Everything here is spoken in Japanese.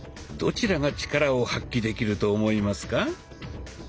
どちらがチカラを発揮できると思いますか？